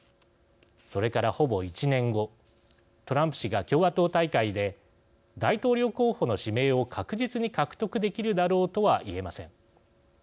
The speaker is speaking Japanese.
それからほぼ１年後トランプ氏が共和党大会で大統領候補の指名を確実に獲得できるだろうとは言えません。